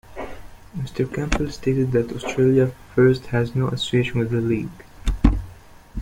Mr Campbell stated that Australia First has no association with the League.